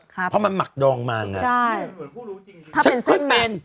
ครับเพราะมันหมักดองมันใช่เหมือนผู้รู้จริงถ้าเป็นเส้นมัน